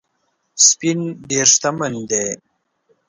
سپین ډېر شتمن دی